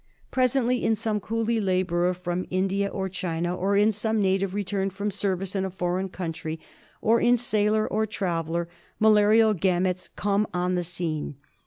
Pre sently in some coolie labourer from India or China, or in some native returned from service in a foreign country, or in sailor, or traveller, malarial gametes come on the scene.